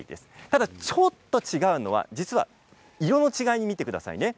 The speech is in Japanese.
ただ、ちょっと違うのは実は色の違いを見てくださいね。